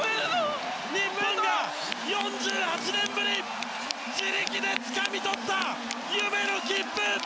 日本が４８年ぶり自力でつかみ取った夢の切符！